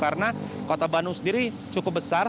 karena kota bandung sendiri cukup besar